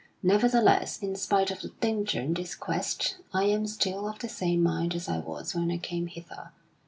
Nevertheless, in spite of the danger in this quest, I am still of the same mind as I was when I came hither.